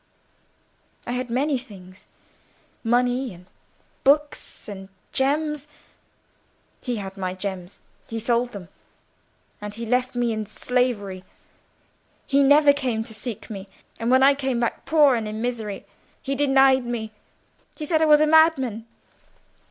I had many things; money, and books, and gems. He had my gems—he sold them; and he left me in slavery. He never came to seek me, and when I came back poor and in misery, he denied me. He said I was a madman."